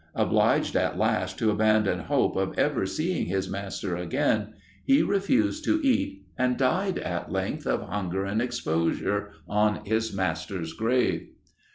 Obliged at last to abandon hope of ever seeing his master again, he refused to eat, and died at length, of hunger and exposure, on his master's grave.